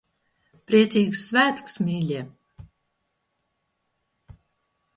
Priecīgus svētkus, mīļie!